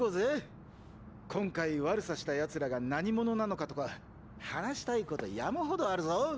今回悪さした奴らが何者なのかとか話したいこと山ほどあるぞ！